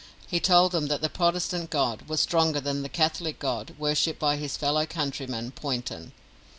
He told them that the Protestant God was stronger than the Catholic God worshipped by his fellow countryman, Poynton.